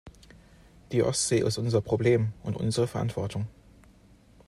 Die Ostsee ist unser Problem und unsere Verantwortung.